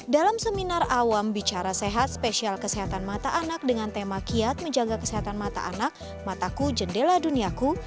dalam seminar awam bicara sehat spesial kesehatan mata anak dengan tema kiat menjaga kesehatan mata anak mataku jendela duniaku